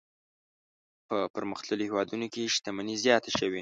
په پرمختللو هېوادونو کې شتمني زیاته شوې.